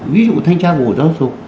ví dụ thanh tra của giáo dục